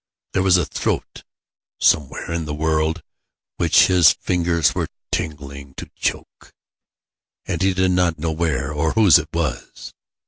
There was a throat somewhere in the world which his fingers were tingling to choke; and he did not know where, or whose it was.